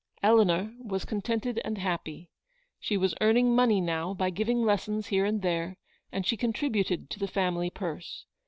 Eleanor was contented and happy. She was earning money now by giving lessons here and there, and she contributed to the family purse.